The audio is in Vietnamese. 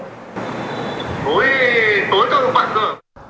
tối tối tôi bận rồi